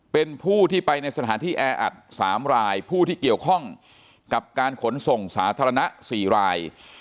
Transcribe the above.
เป็นผู้ที่ไปในสถานที่แออัด๓รายผู้ที่เกี่ยวข้องกับการขนส่งสาธารณะ๔ราย